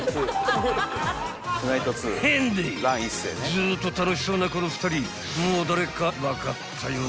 ずっと楽しそうなこの２人もう誰か分かったよな？］